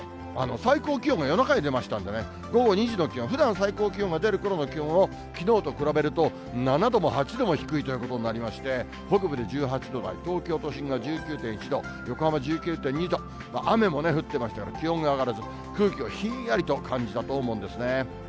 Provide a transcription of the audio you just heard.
最高気温が夜中に出ましたんでね、午後２時の気温、ふだん最高気温が出るころの気温をきのうと比べると、７度も８度も低いということになりまして、北部で１８度台、東京都心が１９．１度、横浜１９．２度、雨も降ってましたから、気温が上がらず、空気をひんやりと感じたと思うんですね。